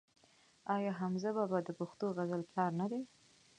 آیا حمزه بابا د پښتو غزل پلار نه دی؟